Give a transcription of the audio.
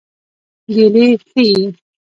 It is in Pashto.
ګیلې ښيي.